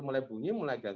mulai bunyi mulai gantuan